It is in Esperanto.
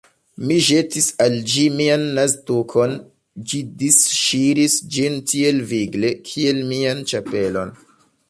Mi ĵetis al ĝi mian naztukon: ĝi disŝiris ĝin tiel vigle, kiel mian ĉapelon.